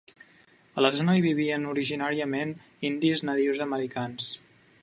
A la zona hi vivien originàriament indis nadius americans.